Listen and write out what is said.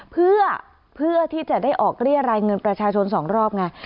เพื่อที่จะได้ออกเรียรายเงินประชาชน๒รอบไง